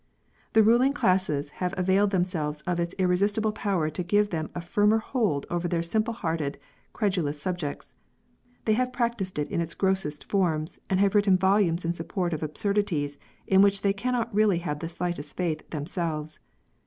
The ruling classes have availed themselves of its irresistible power to give them a firmer hold over their simple hearted, credulous sub jects ; they have practised it in its grossest forms, and have written volumes in support of absurdities in which they cannot really have the slightest faith them selves.